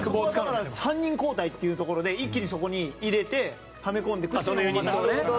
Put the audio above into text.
３人交代っていうところで一気にそこに入れてはめ込んでいくのも、また。